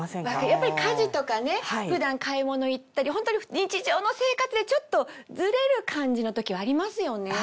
やっぱり家事とかね普段買い物行ったりホントに日常の生活でちょっとずれる感じの時はありますよね。